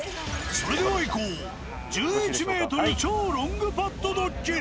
それではいこう、１１メートル超ロングパットドッキリ。